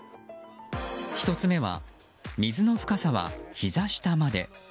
１つ目は、水の深さはひざ下まで。